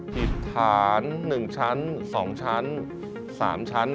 ผิดฐาน๑ชั้น๒ชั้น๓ชั้น